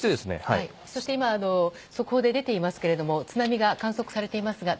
そして、速報で出ていますが津波が観測されています。